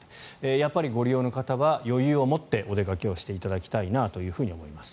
やっぱりご利用の方は余裕を持ってお出かけしていただきたいなと思います。